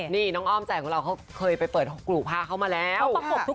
นี่น้องอ้อมใจของเราเขาเคยไปเปิดกลู่ผ้าเขามาแล้ว